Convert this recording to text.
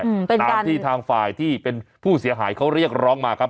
ตามที่ทางฝ่ายที่เป็นผู้เสียหายเขาเรียกร้องมาครับ